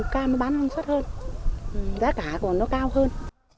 cam nó bán năng suất hơn rác cả còn nó cao hơn